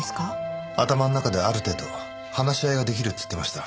頭の中である程度話し合いが出来るって言ってました。